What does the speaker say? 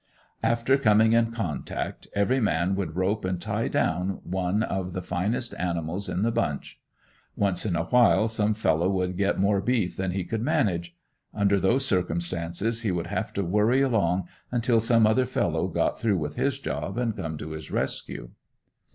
After coming in contact, every man would rope and tie down one of the finest animals in the bunch. Once in awhile some fellow would get more beef than he could manage; under those circumstances he would have to worry along until some other fellow got through with his job and came to his rescue.